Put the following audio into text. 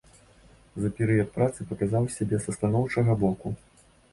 За перыяд працы паказаў сябе са станоўчага боку.